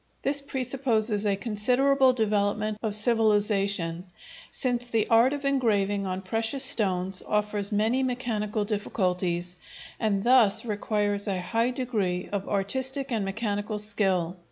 This presupposes a considerable development of civilization, since the art of engraving on precious stones offers many mechanical difficulties and thus requires a high degree of artistic and mechanical skill.